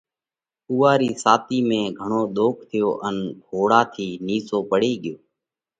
ان اُوئا رِي ساتِي ۾ گھڻو ۮوک ٿيو ان گھوڙا ٿِي نِيسو پڙي ڳيو